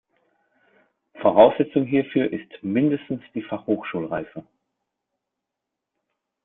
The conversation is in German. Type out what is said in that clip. Voraussetzung hierfür ist mindestens die Fachhochschulreife.